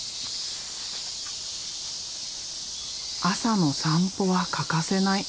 朝の散歩は欠かせない。